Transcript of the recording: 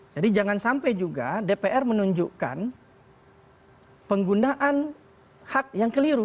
jadi jangan sampai juga dpr menunjukkan penggunaan hak yang keliru